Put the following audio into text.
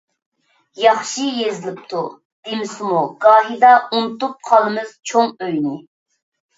ياخشى يېزىلىپتۇ. دېمىسىمۇ گاھىدا ئۇنتۇپ قالىمىز چوڭ ئۆينى.